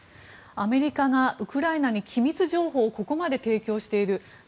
アメリカがウクライナに機密情報をここまで提供している。